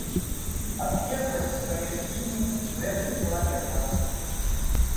Адлегласць паміж імі чвэрць кіламетра.